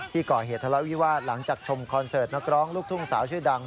ก่อเหตุทะเลาะวิวาสหลังจากชมคอนเสิร์ตนักร้องลูกทุ่งสาวชื่อดัง